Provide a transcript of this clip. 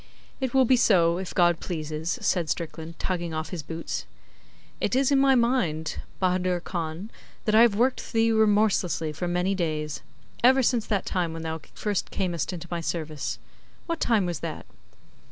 'It will be so, if God pleases,' said Strickland, tugging off his boots. 'It is in my mind, Bahadur Khan, that I have worked thee remorselessly for many days ever since that time when thou first earnest into my service. What time was that?